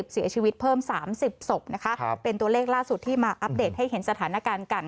เสียชีวิตเพิ่ม๓๐ศพนะคะเป็นตัวเลขล่าสุดที่มาอัปเดตให้เห็นสถานการณ์กัน